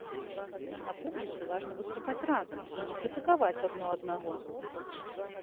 На публіцы важна выступаць разам і не крытыкаваць адно аднаго.